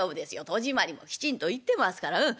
戸締まりもきちんと言ってますからうん。